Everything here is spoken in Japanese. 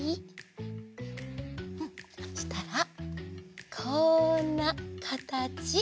うんそしたらこんなかたち。